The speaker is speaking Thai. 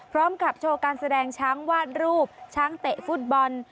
พร้อมกับโชว์การแสดงช้างวาดรูปช้างเตะฟุตบอล